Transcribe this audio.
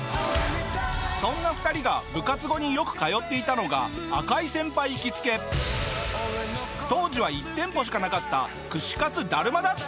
そんな２人が部活後によく通っていたのが赤井先輩行きつけ当時は１店舗しかなかった串かつだるまだったんだ！